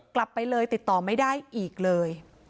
กลับไปเลยติดต่อไม่ได้อีกเลย